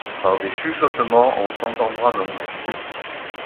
Par des, chuchotements on s'entendra nommer